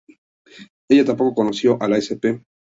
Ella tampoco reconoció a la sp.